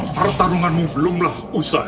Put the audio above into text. pertarunganmu belumlah selesai